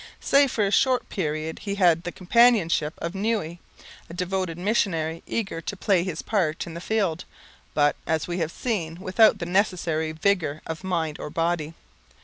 Save for a short period, he had the companionship of Noue, a devoted missionary, eager to play his part in the field, but, as we have seen, without the necessary vigour of mind or body.